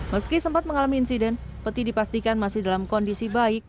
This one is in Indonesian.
meski sempat mengalami insiden peti dipastikan masih dalam kondisi baik